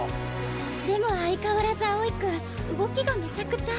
でも相変わらず青井君動きがめちゃくちゃ。